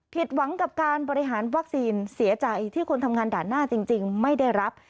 ผิดหวังกับการบริหารวัคซีนเสียใจที่คนทำงานด่านหน้าจริงไม่ได้รับ